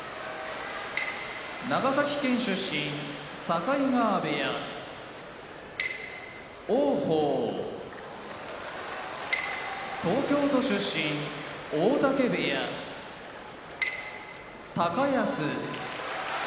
長崎県出身境川部屋王鵬東京都出身大嶽部屋高安